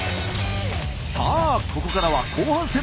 さあここからは後半戦。